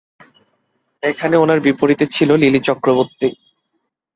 এখানে ওনার বিপরীতে ছিলেন লিলি চক্রবর্তী।